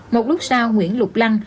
một lúc sau nguyễn lục lăng